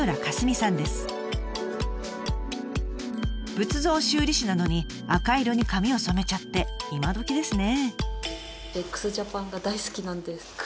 仏像修理師なのに赤色に髪を染めちゃっていまどきですね！